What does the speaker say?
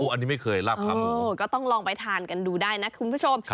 อันนี้ไม่เคยลาบครับก็ต้องลองไปทานกันดูได้นะคุณผู้ชม